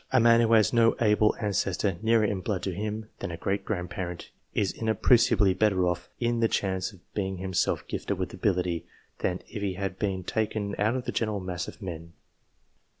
A man who has no able ancestor nearer in blood to him than a great grandparent, is inappreciably better off in the chance of being himself gifted with ability, than if he had been taken out of the general mass of men.